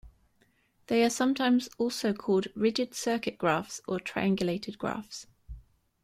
They are sometimes also called rigid circuit graphs or triangulated graphs.